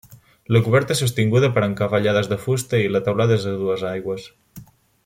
La coberta és sostinguda per encavallades de fusta i la teulada és a dues aigües.